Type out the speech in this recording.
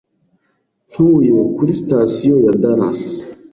Ntuye kuri sitasiyo ya Dallas